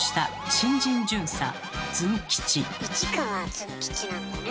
「市川ズン吉」なんだね。